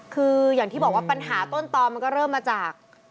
คืออย่างที่บอกว่าปัญหาต้นตอมันก็เริ่มมาจาก